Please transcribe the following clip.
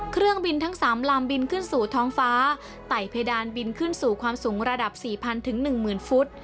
เครื่องบินทั้ง๓ลำบินขึ้นสู่ท้องฟ้าไต่เพดานบินขึ้นสู่ความสูงระดับ๔๐๐๑๐๐ฟุต